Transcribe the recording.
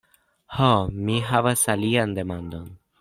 Ho, mi havas alian demandon.